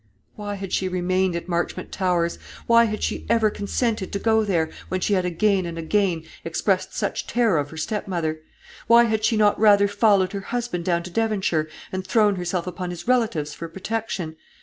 Why had she remained at Marchmont Towers? Why had she ever consented to go there, when she had again and again expressed such terror of her stepmother? Why had she not rather followed her husband down to Devonshire, and thrown herself upon his relatives for protection?